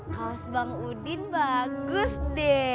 mas bang udin bagus deh